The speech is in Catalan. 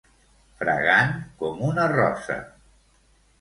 Fragant com una rosa.